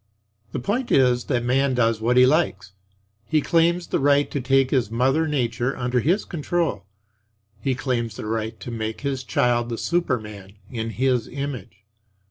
The point is that Man does what he likes. He claims the right to take his mother Nature under his control; he claims the right to make his child the Superman, in his image.